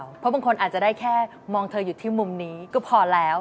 เพราะบางคนอาจจะได้แค่มองเธออยู่ที่มุมนี้ก็พอแล้ว